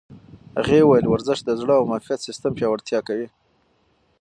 هغې وویل ورزش د زړه او معافیت سیستم پیاوړتیا کوي.